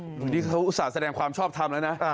วันนี้เขาอุตส่าห์แสดงความชอบทำแล้วนะ